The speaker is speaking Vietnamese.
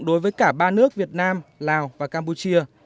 đối với cả ba nước việt nam lào và campuchia